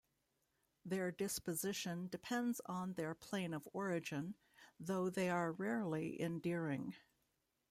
Their disposition depends on their plane of origin, though they are rarely endearing.